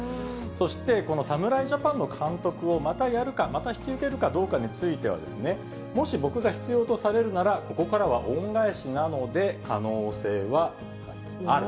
そして、この侍ジャパンの監督をまたやるか、また引き受けるかどうかについては、もし僕が必要とされるなら、ここからは恩返しなので可能性はある。